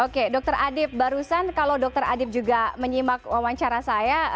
oke dr adib barusan kalau dokter adib juga menyimak wawancara saya